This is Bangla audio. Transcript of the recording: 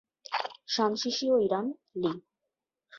শানশিশিয় ইরান, লি।